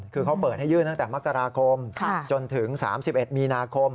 คือเขาเปิดให้ยื่นตั้งแต่มกราคมจนถึง๓๑มีนาคม